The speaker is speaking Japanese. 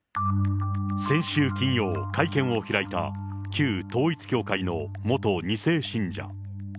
先週金曜、会見を開いた旧統一教会の元２世信者。